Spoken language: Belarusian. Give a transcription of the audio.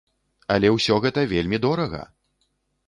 Але ўсё гэта вельмі дорага!